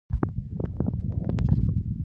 فریدګل خپل لاسونه د ځان د دفاع لپاره مخ ته ونیول